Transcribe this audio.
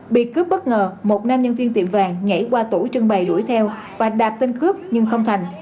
bị cướp bất ngờ một nam nhân viên tiệm vàng nhảy qua tủ trưng bày đuổi theo và đạp tên cướp nhưng không thành